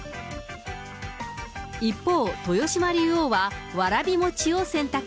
一方、豊島竜王は、わらび餅を選択。